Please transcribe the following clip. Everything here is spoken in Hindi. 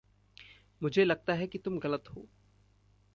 मुझे लगता है कि तुम ग़लत हो।